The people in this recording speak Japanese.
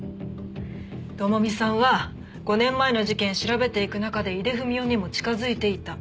朋美さんは５年前の事件を調べていく中で井出文雄にも近づいていた。